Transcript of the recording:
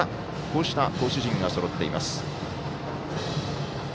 こうした投手陣がそろっています。